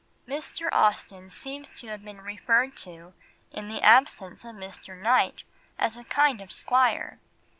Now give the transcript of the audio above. Mr. Austen seems to have been referred to, in the absence of Mr. Knight, as a kind of squire.